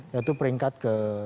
yaitu peringkat ke lima belas